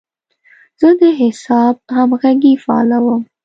زه د حساب همغږي فعالوم.